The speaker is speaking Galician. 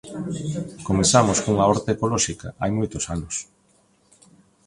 Comezamos cunha horta ecolóxica hai moitos anos.